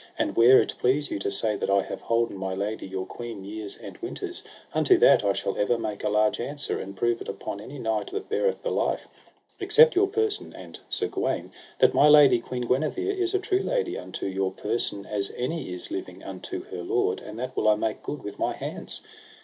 And where it please you to say that I have holden my lady your queen years and winters, unto that I shall ever make a large answer, and prove it upon any knight that beareth the life, except your person and Sir Gawaine, that my lady, Queen Guenever, is a true lady unto your person as any is living unto her lord, and that will I make good with my hands.